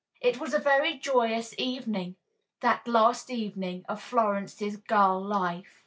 It was a very joyous evening, that last evening of Florence's girl life.